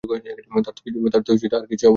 তার তো আর কিছুই অবশিষ্ট নেই।